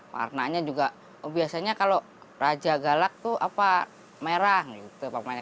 warnanya juga biasanya kalau raja galak tuh apa merah gitu apa namanya